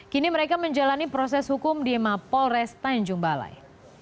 kini mereka menjalani proses hukum di mapolres tanjung balai